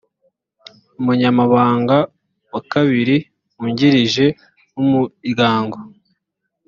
umunyamabanga wa kabiri wungirije w’umuryango